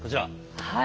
はい。